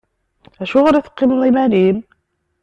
Acuɣeṛ i teqqimeḍ iman-im?